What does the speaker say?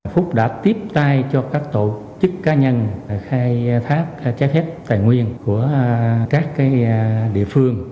phúc đã tiếp tay cho các tổ chức cá nhân khai thác trái phép tài nguyên của các địa phương